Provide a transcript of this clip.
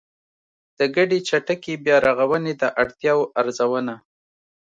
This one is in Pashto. د ګډې چټکې بيا رغونې د اړتیاوو ارزونه